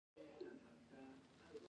هغوی د هغه ځای خلک لوټ کړل او و یې وژل